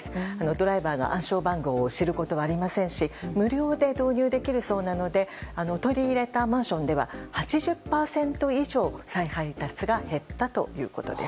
ドライバーが暗証番号を知ることはありませんし無料で導入できるそうなので取り入れたマンションでは８０％以上再配達が減ったということです。